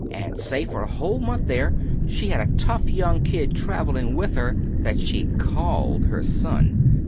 And say, for a whole month there, she had a tough young kid traveling with her that she called her son.